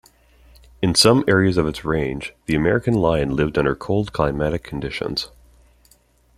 In some areas of its range, the American lion lived under cold climatic conditions.